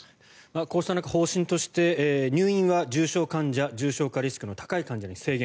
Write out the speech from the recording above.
こうした中、方針として入院は重症患者重症リスクの高い患者に制限。